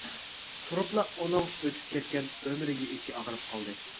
تۇرۇپلا ئۇنىڭ ئۆتۈپ كەتكەن ئۆمرىگە ئىچى ئاغرىپ قالدى.